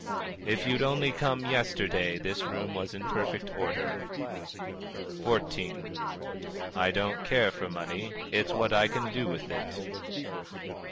"If you'd only come yesterday, this room was in perfect order." XIV. "I don't care for money it's what I can do with it." XV.